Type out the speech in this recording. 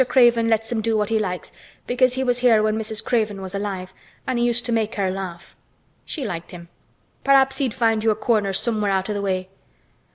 Craven lets him do what he likes because he was here when Mrs. Craven was alive, an' he used to make her laugh. She liked him. Perhaps he'd find you a corner somewhere out o' the way."